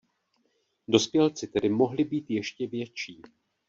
Dospělci tedy mohli být ještě větší.